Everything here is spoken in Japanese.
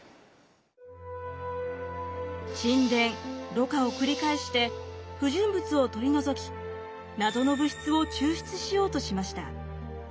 沈殿ろ過を繰り返して不純物を取り除き謎の物質を抽出しようとしました。